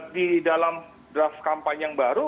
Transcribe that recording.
di dalam draft kampanye yang baru